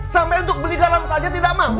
sampai untuk beli dalam saja tidak mampu